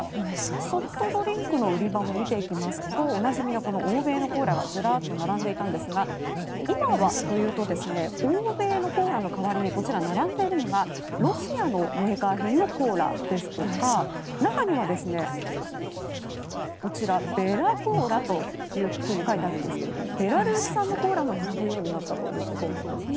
ソフトドリンクの売り場も見ていきますとおなじみの欧米のコーラがずらっと並んでいたんですが今はというと欧米のコーラの代わりにこちら、並んでいるのがロシアのメーカー品のコーラですとか中にはこちらベラコーラというふうに書いてあるんですがベラルーシ産のコーラも並ぶようになったということなんですね。